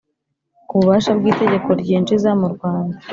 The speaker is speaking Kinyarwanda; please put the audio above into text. kububasha bw itegeko ryinjiza mu Rwanda